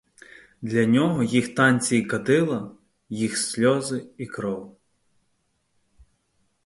Для нього їх танці і кадила, їх сльози і кров.